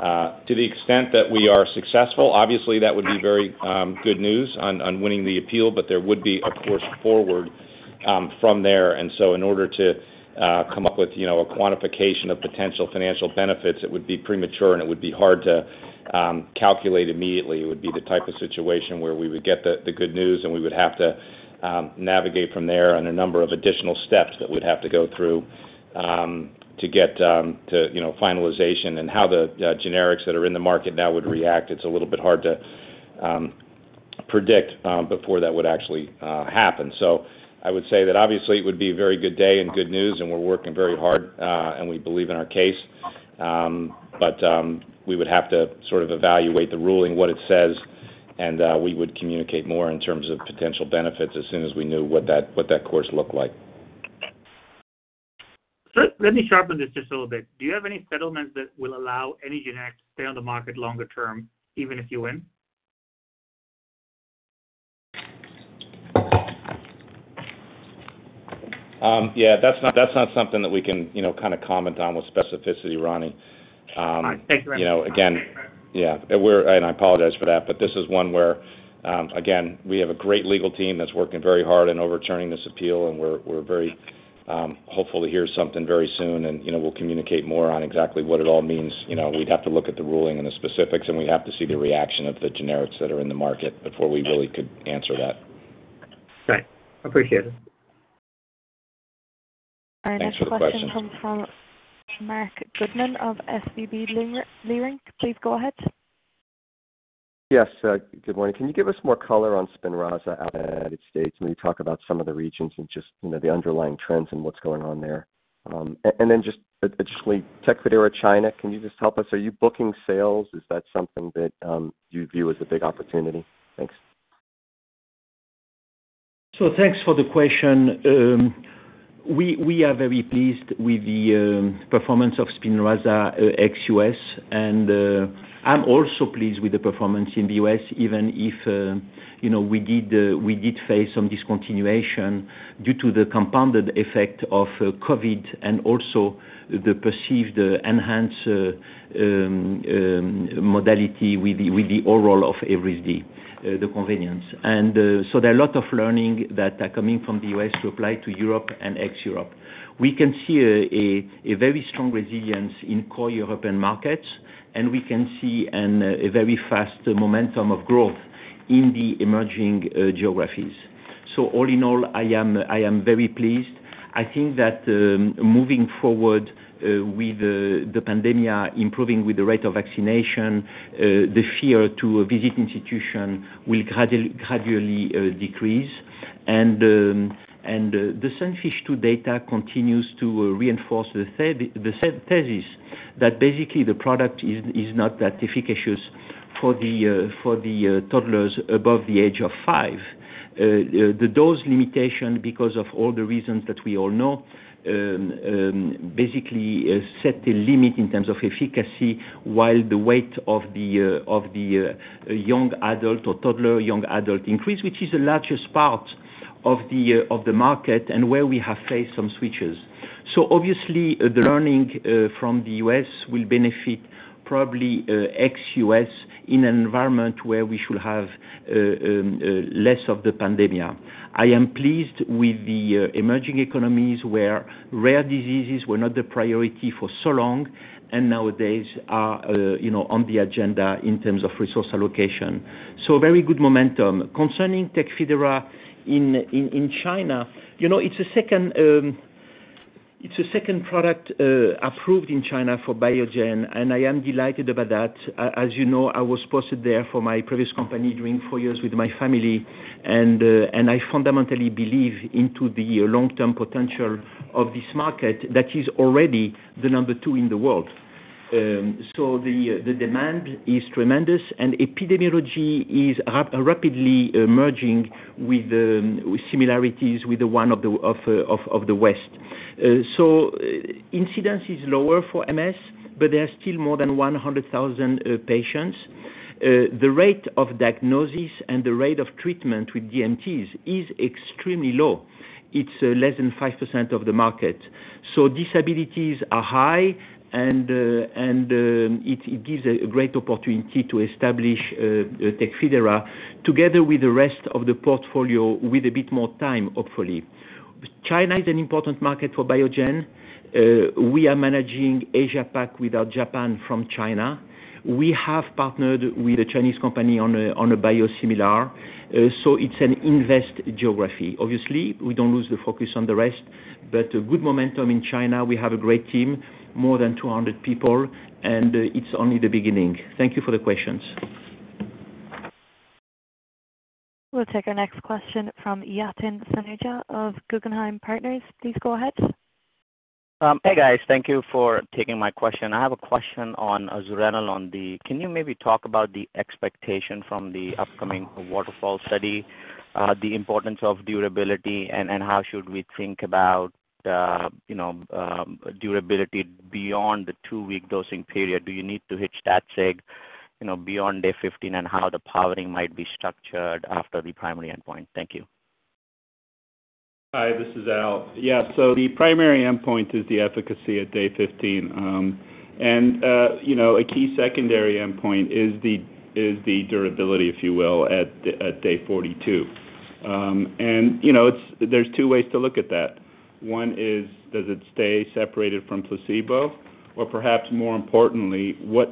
[SPEAKER 5] To the extent that we are successful, obviously, that would be very good news on winning the appeal, but there would be a course forward from there. In order to come up with a quantification of potential financial benefits, it would be premature, and it would be hard to calculate immediately. It would be the type of situation where we would get the good news, and we would have to navigate from there on a number of additional steps that we'd have to go through to get to finalization. How the generics that are in the market now would react, it's a little bit hard to predict before that would actually happen. I would say that obviously it would be a very good day and good news, and we're working very hard. We believe in our case. We would have to sort of evaluate the ruling, what it says, and we would communicate more in terms of potential benefits as soon as we knew what that course looked like.
[SPEAKER 7] Let me sharpen this just a little bit. Do you have any settlements that will allow any generic to stay on the market longer term, even if you win?
[SPEAKER 5] Yeah, that's not something that we can comment on with specificity, Ronny.
[SPEAKER 7] All right. Thank you very much.
[SPEAKER 5] Yeah. I apologize for that, this is one where, again, we have a great legal team that's working very hard in overturning this appeal. We're very hopeful to hear something very soon, we'll communicate more on exactly what it all means. We'd have to look at the ruling and the specifics, we'd have to see the reaction of the generics that are in the market before we really could answer that.
[SPEAKER 7] Thanks. Appreciate it.
[SPEAKER 5] Thanks for the question.
[SPEAKER 1] Our next question comes from Marc Goodman of SVB Leerink. Please go ahead.
[SPEAKER 8] Yes. Good morning. Can you give us more color on SPINRAZA outside the United States? Maybe talk about some of the regions and just the underlying trends and what's going on there. Just additionally, TECFIDERA China, can you just help us? Are you booking sales? Is that something that you view as a big opportunity? Thanks.
[SPEAKER 3] Thanks for the question. We are very pleased with the performance of SPINRAZA ex-U.S., and I'm also pleased with the performance in the U.S., even if we did face some discontinuation due to the compounded effect of COVID and also the perceived enhanced modality with the oral of Evrysdi, the convenience. There are a lot of learning that are coming from the U.S. to apply to Europe and ex-Europe. We can see a very strong resilience in core European markets, and we can see a very fast momentum of growth in the emerging geographies. All in all, I am very pleased. I think that moving forward with the pandemic improving with the rate of vaccination, the fear to visit institution will gradually decrease. The SUNFISH 2 data continues to reinforce the thesis that basically the product is not that efficacious for the toddlers above the age of five. The dose limitation, because of all the reasons that we all know, basically set a limit in terms of efficacy while the weight of the young adult or toddler young adult increase, which is the largest part of the market and where we have faced some switches. Obviously, the learning from the U.S. will benefit probably ex-U.S. in an environment where we should have less of the pandemic. I am pleased with the emerging economies where rare diseases were not the priority for so long and nowadays are on the agenda in terms of resource allocation. Very good momentum. Concerning TECFIDERA in China, it's a second product approved in China for Biogen, and I am delighted about that. As you know, I was posted there for my previous company during four years with my family. I fundamentally believe into the long-term potential of this market that is already the number two in the world. The demand is tremendous. Epidemiology is rapidly merging with similarities with the one of the West. Incidence is lower for MS, but there are still more than 100,000 patients. The rate of diagnosis and the rate of treatment with DMTs is extremely low. It's less than 5% of the market. Disabilities are high, it gives a great opportunity to establish TECFIDERA together with the rest of the portfolio with a bit more time, hopefully. China is an important market for Biogen. We are managing Asia-Pac without Japan from China. We have partnered with a Chinese company on a biosimilar, so it's an invest geography. Obviously, we don't lose the focus on the rest, but a good momentum in China. We have a great team, more than 200 people, and it's only the beginning. Thank you for the questions.
[SPEAKER 1] We'll take our next question from Yatin Suneja of Guggenheim Partners. Please go ahead.
[SPEAKER 9] Hey, guys. Thank you for taking my question. I have a question on zuranolone. Can you maybe talk about the expectation from the upcoming WATERFALL study, the importance of durability, and how should we think about durability beyond the two-week dosing period? Do you need to hit stat sig beyond day 15, and how the powering might be structured after the primary endpoint? Thank you.
[SPEAKER 4] Hi, this is Al. Yeah. The primary endpoint is the efficacy at day 15. A key secondary endpoint is the durability, if you will, at day 42. There's two ways to look at that. One is, does it stay separated from placebo? Or perhaps more importantly, what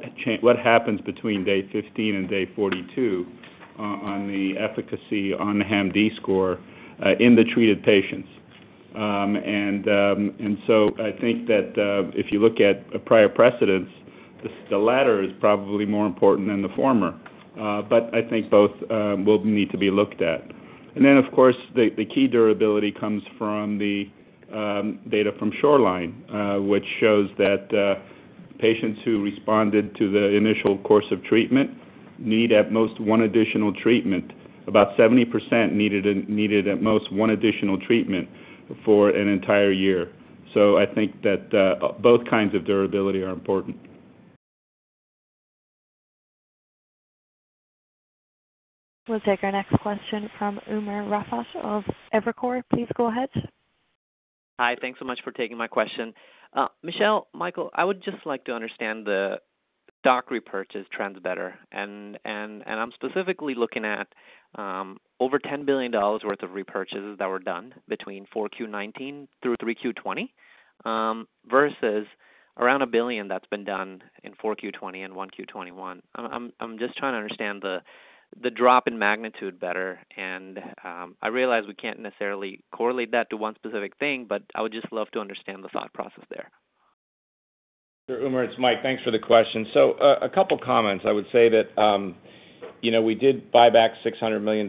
[SPEAKER 4] happens between day 15 and day 42 on the efficacy on the HAMD score in the treated patients? I think that if you look at prior precedents, the latter is probably more important than the former, but I think both will need to be looked at. Of course, the key durability comes from the data from SHORELINE, which shows that patients who responded to the initial course of treatment need at most one additional treatment. About 70% needed at most one additional treatment for an entire year, so I think that both kinds of durability are important.
[SPEAKER 1] We'll take our next question from Umer Raffat of Evercore. Please go ahead.
[SPEAKER 10] Hi. Thanks so much for taking my question. Michel, Michael, I would just like to understand the stock repurchase trends better, and I'm specifically looking at over $10 billion worth of repurchases that were done between 4Q 2019 through 3Q 2020 versus around $1 billion that's been done in 4Q 2020 and 1Q 2021. I'm just trying to understand the drop in magnitude better. I realize we can't necessarily correlate that to one specific thing, but I would just love to understand the thought process there.
[SPEAKER 5] Sure, Umer, it's Mike. Thanks for the question. A couple of comments. I would say that we did buy back $600 million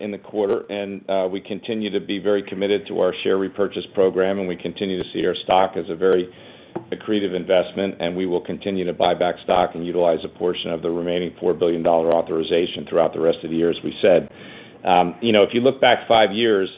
[SPEAKER 5] in the quarter, and we continue to be very committed to our share repurchase program, and we continue to see our stock as a very accretive investment, and we will continue to buy back stock and utilize a portion of the remaining $4 billion authorization throughout the rest of the year, as we said. If you look back five years,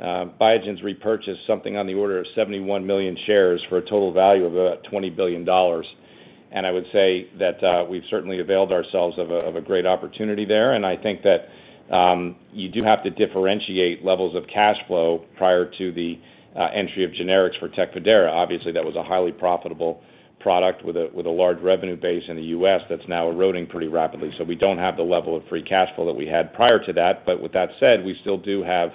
[SPEAKER 5] Biogen's repurchased something on the order of 71 million shares for a total value of about $20 billion. I would say that we've certainly availed ourselves of a great opportunity there. I think that you do have to differentiate levels of cash flow prior to the entry of generics for TECFIDERA. Obviously, that was a highly profitable product with a large revenue base in the U.S. that's now eroding pretty rapidly, so we don't have the level of free cash flow that we had prior to that. With that said, we still do have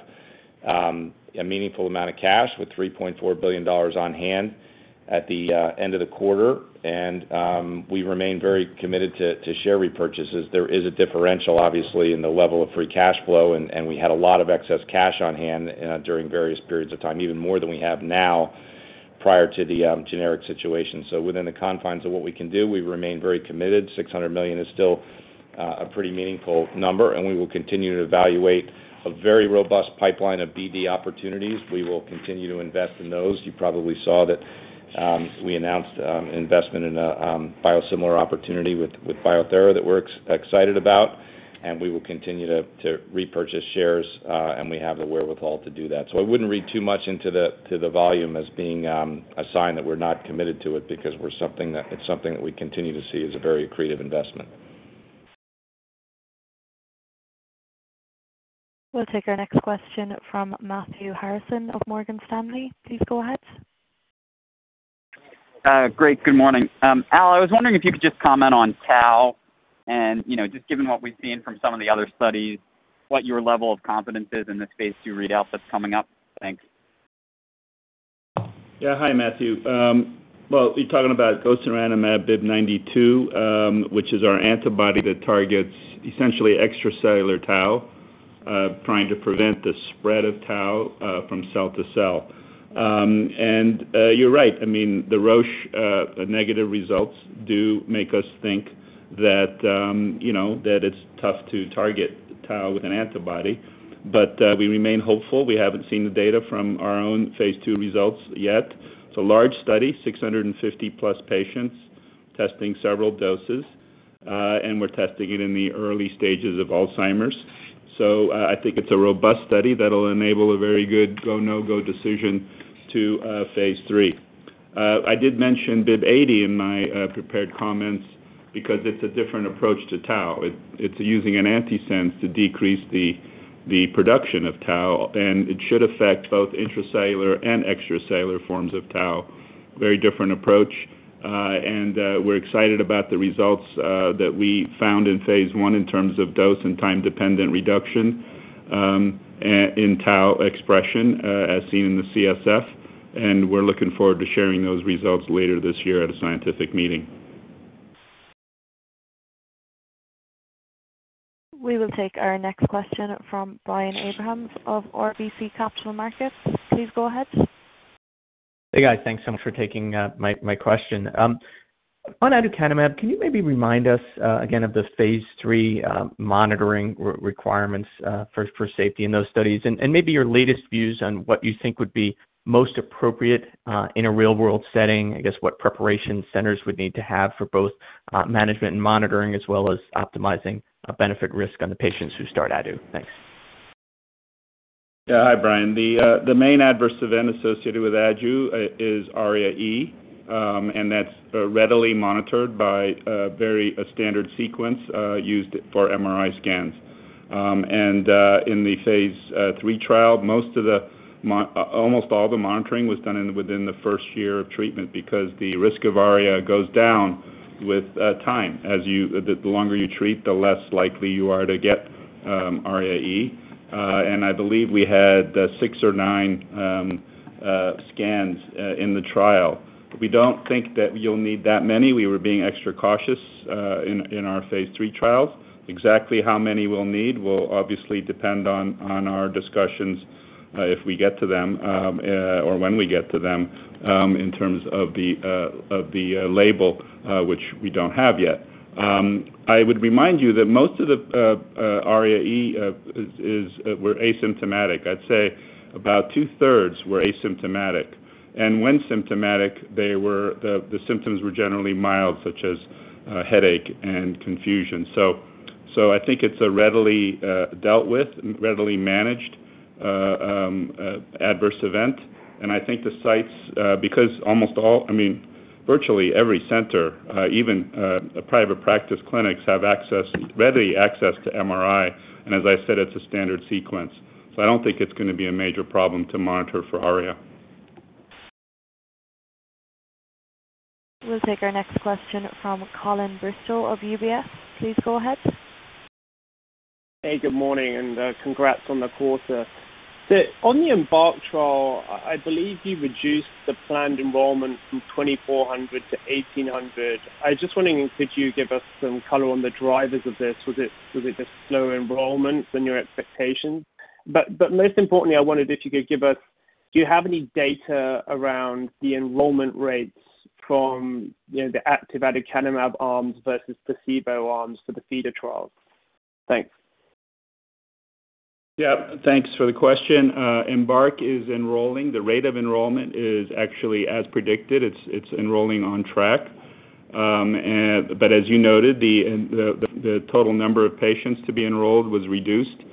[SPEAKER 5] a meaningful amount of cash with $3.4 billion on hand at the end of the quarter, and we remain very committed to share repurchases. There is a differential, obviously, in the level of free cash flow, and we had a lot of excess cash on hand during various periods of time, even more than we have now, prior to the generic situation. Within the confines of what we can do, we remain very committed. $600 million is still a pretty meaningful number, and we will continue to evaluate a very robust pipeline of BD opportunities. We will continue to invest in those. You probably saw that we announced investment in a biosimilar opportunity with Bio-Thera that we're excited about, and we will continue to repurchase shares, and we have the wherewithal to do that. I wouldn't read too much into the volume as being a sign that we're not committed to it because it's something that we continue to see as a very accretive investment.
[SPEAKER 1] We'll take our next question from Matthew Harrison of Morgan Stanley. Please go ahead.
[SPEAKER 11] Great. Good morning. Al, I was wondering if you could just comment on tau and just given what we've seen from some of the other studies, what your level of confidence is in the phase II readouts that's coming up. Thanks.
[SPEAKER 4] Yeah. Hi, Matthew. Well, you're talking about gosuranemab, BIIB092, which is our antibody that targets essentially extracellular tau, trying to prevent the spread of tau from cell to cell. You're right. I mean, the Roche negative results do make us think that it's tough to target tau with an antibody, but we remain hopeful. We haven't seen the data from our own phase II results yet. It's a large study, 650+ patients testing several doses. We're testing it in the early stages of Alzheimer's. I think it's a robust study that'll enable a very good go, no-go decision to phase III. I did mention BIIB080 in my prepared comments because it's a different approach to tau. It's using an antisense to decrease the production of tau, and it should affect both intracellular and extracellular forms of tau. Very different approach. We're excited about the results that we found in phase I in terms of dose and time-dependent reduction in tau expression as seen in the CSF. We're looking forward to sharing those results later this year at a scientific meeting.
[SPEAKER 1] We will take our next question from Brian Abrahams of RBC Capital Markets. Please go ahead.
[SPEAKER 12] Hey, guys. Thanks so much for taking my question. On aducanumab, can you maybe remind us again of the phase III monitoring requirements for safety in those studies and maybe your latest views on what you think would be most appropriate in a real-world setting? I guess, what preparation centers would need to have for both management and monitoring, as well as optimizing benefit-risk on the patients who start adu. Thanks.
[SPEAKER 4] Hi, Brian. The main adverse event associated with adu is ARIA-E, and that's readily monitored by a very standard sequence used for MRI scans. In the phase III trial, almost all the monitoring was done within the first year of treatment because the risk of ARIA goes down with time. The longer you treat, the less likely you are to get ARIA-E. I believe we had six or nine scans in the trial. We don't think that you'll need that many. We were being extra cautious in our phase III trials. Exactly how many we'll need will obviously depend on our discussions, if we get to them, or when we get to them in terms of the label which we don't have yet. I would remind you that most of the ARIA-E were asymptomatic. I'd say about two-thirds were asymptomatic. When symptomatic, the symptoms were generally mild, such as headache and confusion. I think it's a readily dealt with, readily managed adverse event. I think the sites, because almost all, virtually every center, even private practice clinics, have ready access to MRI, and as I said, it's a standard sequence. I don't think it's going to be a major problem to monitor for ARIA.
[SPEAKER 1] We'll take our next question from Colin Bristow of UBS. Please go ahead.
[SPEAKER 13] Hey, good morning. Congrats on the quarter. On the EMBARK trial, I believe you reduced the planned enrollment from 2,400 to 1,800. I was just wondering, could you give us some color on the drivers of this? Was it just slower enrollment than your expectations? But most importantly, do you have any data around the enrollment rates from the active aducanumab arms versus placebo arms for the feeder trials? Thanks.
[SPEAKER 4] Yeah. Thanks for the question. EMBARK is enrolling. The rate of enrollment is actually as predicted. It's enrolling on track. As you noted, the total number of patients to be enrolled was reduced.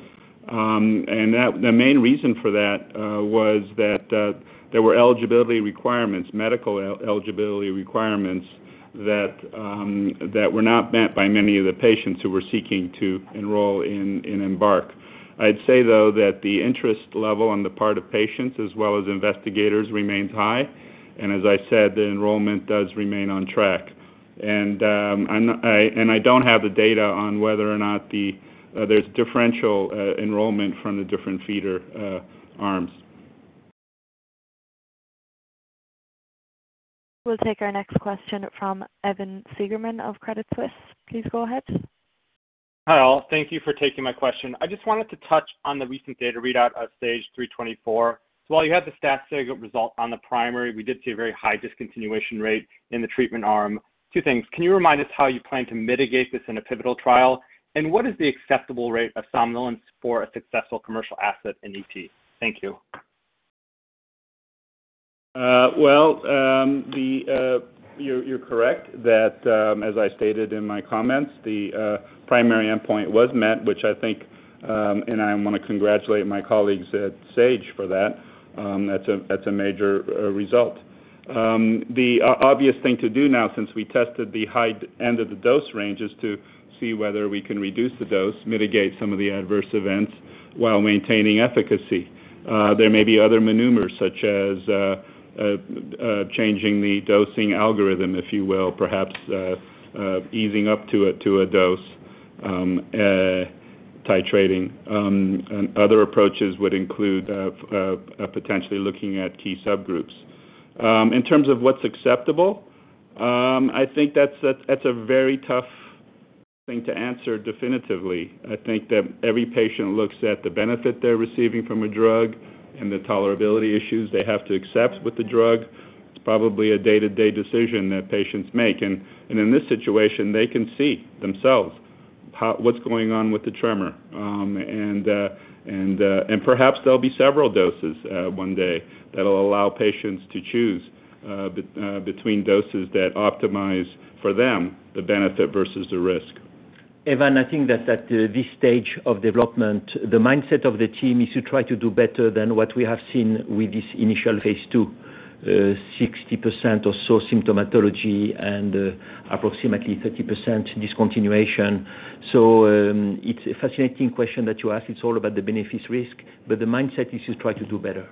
[SPEAKER 4] The main reason for that was that there were eligibility requirements, medical eligibility requirements that were not met by many of the patients who were seeking to enroll in EMBARK. I'd say, though, that the interest level on the part of patients as well as investigators remains high. As I said, the enrollment does remain on track. I don't have the data on whether or not there's differential enrollment from the different feeder arms.
[SPEAKER 1] We'll take our next question from Evan Seigerman of Credit Suisse. Please go ahead.
[SPEAKER 14] Hi, all. Thank you for taking my question. I just wanted to touch on the recent data readout of SAGE-324. While you had the stat sig result on the primary, we did see a very high discontinuation rate in the treatment arm. Two things. Can you remind us how you plan to mitigate this in a pivotal trial? What is the acceptable rate of somnolence for a successful commercial asset in ET? Thank you.
[SPEAKER 4] Well, you're correct that, as I stated in my comments, the primary endpoint was met, which I think, and I want to congratulate my colleagues at Sage for that. That's a major result. The obvious thing to do now, since we tested the high end of the dose range is to see whether we can reduce the dose, mitigate some of the adverse events while maintaining efficacy. There may be other maneuvers, such as changing the dosing algorithm, if you will. Perhaps easing up to a dose titrating. Other approaches would include potentially looking at key subgroups. In terms of what's acceptable, I think that's a very tough thing to answer definitively. I think that every patient looks at the benefit they're receiving from a drug and the tolerability issues they have to accept with the drug. It's probably a day-to-day decision that patients make. In this situation, they can see themselves what's going on with the tremor. Perhaps there'll be several doses one day that'll allow patients to choose between doses that optimize, for them, the benefit versus the risk.
[SPEAKER 3] Evan, I think that at this stage of development, the mindset of the team is to try to do better than what we have seen with this initial phase II, 60% or so symptomatology and approximately 30% discontinuation. It's a fascinating question that you ask. It's all about the benefit risk, but the mindset is just try to do better.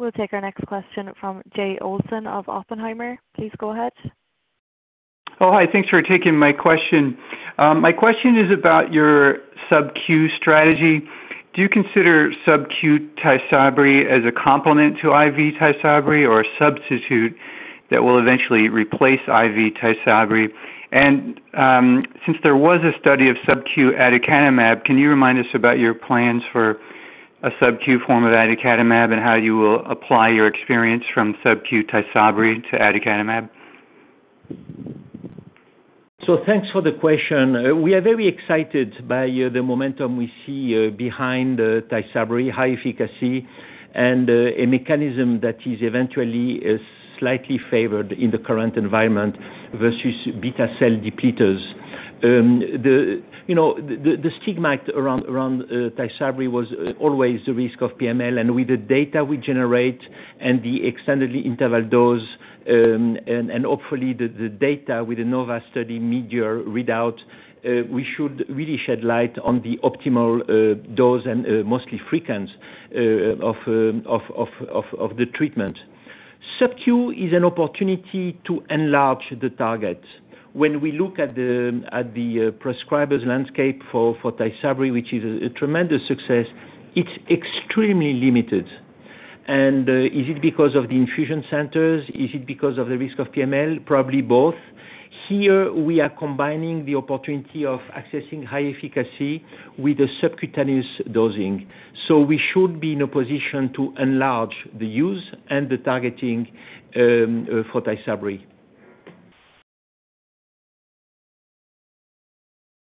[SPEAKER 1] We'll take our next question from Jay Olson of Oppenheimer. Please go ahead.
[SPEAKER 15] Oh, hi. Thanks for taking my question. My question is about your sub-Q strategy. Do you consider sub-Q TYSABRI as a complement to IV TYSABRI or a substitute that will eventually replace IV TYSABRI? Since there was a study of sub-Q aducanumab, can you remind us about your plans for a sub-Q form of aducanumab, and how you will apply your experience from sub-Q TYSABRI to aducanumab?
[SPEAKER 3] Thanks for the question. We are very excited by the momentum we see behind TYSABRI, high efficacy, and a mechanism that is eventually slightly favored in the current environment versus B-cell depleters. The stigma around TYSABRI was always the risk of PML. With the data we generate and the extended interval dose, and hopefully the data with the NOVA study mid-year readout, we should really shed light on the optimal dose and monthly frequency of the treatment. Sub-Q is an opportunity to enlarge the target. When we look at the prescriber's landscape for TYSABRI, which is a tremendous success, it's extremely limited. Is it because of the infusion centers? Is it because of the risk of PML? Probably both. Here we are combining the opportunity of accessing high efficacy with a subcutaneous dosing. So, we should be in a position to enlarge the use and the targeting for TYSABRI.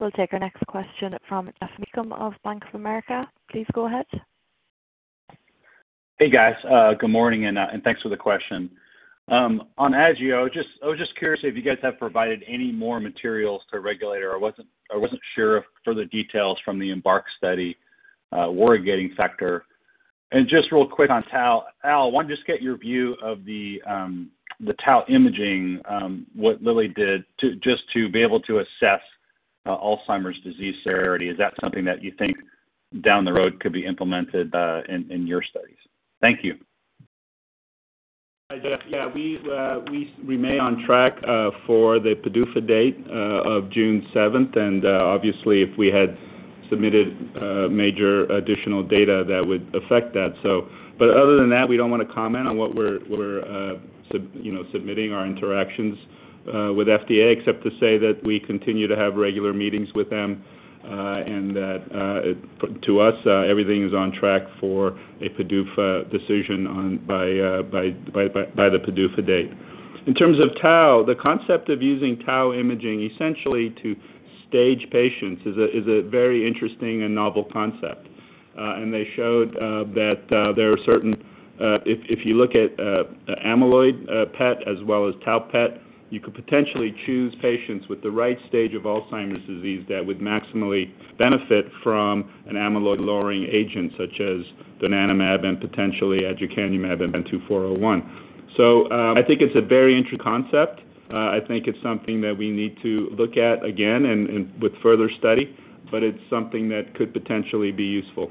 [SPEAKER 1] We'll take our next question from Geoff Meacham of Bank of America. Please go ahead.
[SPEAKER 16] Hey, guys. Good morning, and thanks for the question. On adu, I was just curious if you guys have provided any more materials to regulator. I wasn't sure if further details from the EMBARK study were a gating factor. Just real quick on tau. Al, wanted to just get your view of the tau imaging, what Lilly did to just to be able to assess Alzheimer's disease severity. Is that something that you think down the road could be implemented in your studies? Thank you.
[SPEAKER 4] Hi, Geoff. Yeah, we remain on track for the PDUFA date of June 7th. Obviously, if we had submitted major additional data, that would affect that. Other than that, we don't want to comment on what we're submitting our interactions with FDA except to say that we continue to have regular meetings with them. To us, everything is on track for a PDUFA decision by the PDUFA date. In terms of tau, the concept of using tau imaging essentially to stage patients is a very interesting and novel concept. They showed that if you look at amyloid PET as well as tau PET, you could potentially choose patients with the right stage of Alzheimer's disease that would maximally benefit from an amyloid-lowering agent such as donanemab and potentially aducanumab and BAN2401. I think it's a very interesting concept. I think it's something that we need to look at again and with further study, but it's something that could potentially be useful.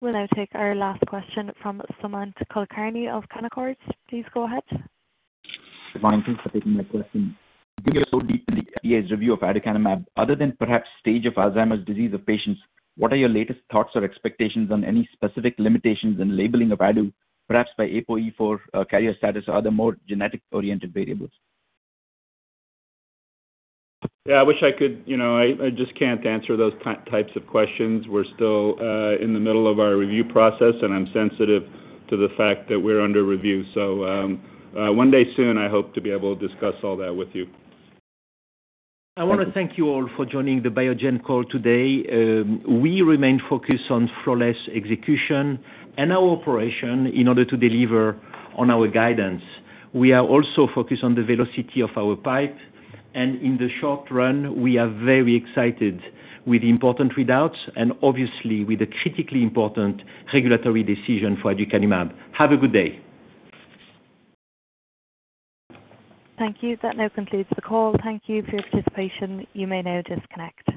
[SPEAKER 1] We'll now take our last question from Sumant Kulkarni of Canaccord. Please go ahead.
[SPEAKER 17] Good morning. Thanks for taking my question. Given you are so deep in the FDA's review of aducanumab, other than perhaps stage of Alzheimer's disease of patients, what are your latest thoughts or expectations on any specific limitations in labeling of adu, perhaps by APOE4 carrier status or other more genetic-oriented variables?
[SPEAKER 4] Yeah. I wish I could. I just can't answer those types of questions. We're still in the middle of our review process, and I'm sensitive to the fact that we're under review. One day soon, I hope to be able to discuss all that with you.
[SPEAKER 3] I want to thank you all for joining the Biogen call today. We remain focused on flawless execution and our operation in order to deliver on our guidance. We are also focused on the velocity of our pipe. In the short run, we are very excited with important readouts and obviously with a critically important regulatory decision for aducanumab. Have a good day.
[SPEAKER 1] Thank you. That now concludes the call. Thank you for your participation. You may now disconnect.